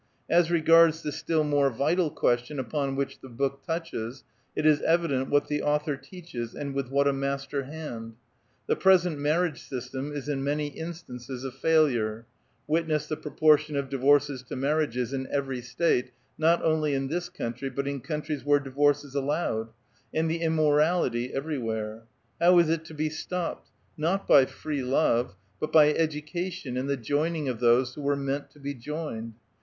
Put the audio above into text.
As regards tlie still more vital question upon which the book touches, it is evident what the author teaches, and with what a master hand ! The present marriage system is in many instances a failure ; witness the propor tion of divorces to marriages in every state, not only in this country, but in couutries where divorce is allowed, and the immorality everywhere. How is it to be stopped? not by free love; but by education and the joining of those who were meant to be joined.